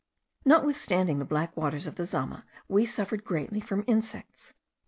Notwithstanding the black waters of the Zama, we suffered greatly from insects.